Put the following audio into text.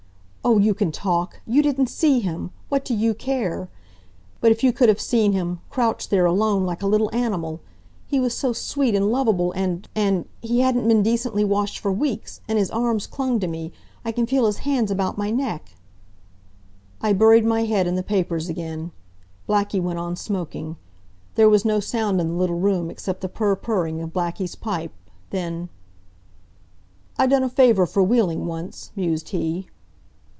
"Oh, you can talk! You didn't see him. What do you care! But if you could have seen him, crouched there alone like a little animal! He was so sweet and lovable and and he hadn't been decently washed for weeks and his arms clung to me I can feel his hands about my neck! " I buried my head in the papers again. Blackie went on smoking. There was no sound in the little room except the purr purring of Blackie's pipe. Then: "I done a favor for Wheeling once," mused he.